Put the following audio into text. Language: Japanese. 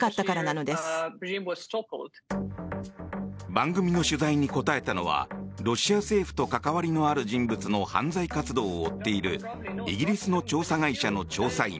番組の取材に答えたのはロシア政府と関わりのある人物の犯罪活動を追っているイギリスの調査会社の調査員